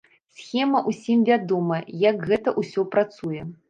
Схема ўсім вядомая, як гэта ўсё працуе.